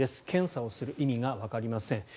検査をする意味がわかりません。